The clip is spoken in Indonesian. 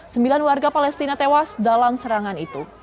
sembilan warga palestina tewas dalam serangan itu